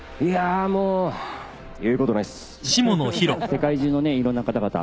世界中のいろんな方々